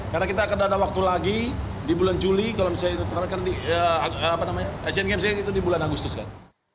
karena kita akan ada waktu lagi di bulan juli kalau misalnya itu turnamen kan di asian games itu di bulan agustus kan